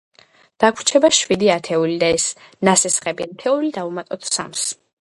დაგვრჩება შვიდი ათეული და ეს ნასესხები ათეული დავუმატოთ სამს.